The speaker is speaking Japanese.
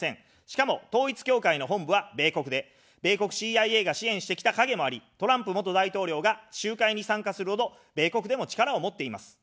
しかも、統一教会の本部は米国で、米国ＣＩＡが支援してきた影もあり、トランプ元大統領が集会に参加するほど米国でも力を持っています。